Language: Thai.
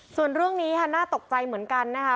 ส่วนเรื่องนี้ค่ะน่าตกใจเหมือนกันนะคะ